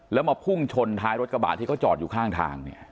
แล้วมาพุ่งชนท้ายรถกระบะที่เขาจอดอยู่ข้างทางเนี่ย